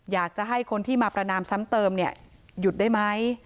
อยากจะให้คนที่มาประนามซ้ำเติมเนี่ยหยุดได้ไหม